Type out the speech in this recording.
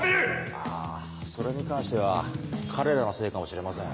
あぁそれに関しては彼らのせいかもしれません。